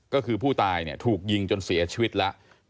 ก็คือผู้ตายถูกยิงจนเสียชีวิตแล้ว